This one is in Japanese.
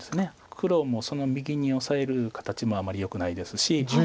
黒もその右にオサえる形もあんまりよくないですし。